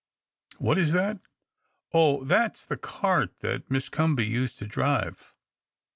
" What is that ? Oh, that's the cart that Miss Comby used to drive